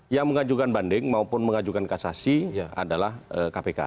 yang mengajukan banding maupun mengajukan kasasi adalah kpk